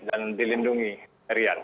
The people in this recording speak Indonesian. dan dilindungi rian